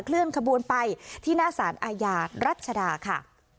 เลื่อนขบวนไปที่หน้าสารอาญารัชดาค่ะ